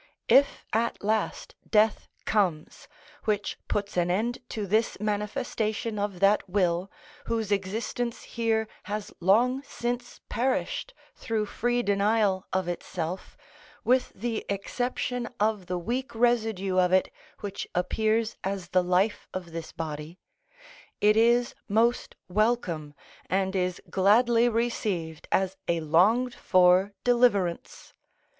If at last death comes, which puts an end to this manifestation of that will, whose existence here has long since perished through free denial of itself, with the exception of the weak residue of it which appears as the life of this body; it is most welcome, and is gladly received as a longed for deliverance.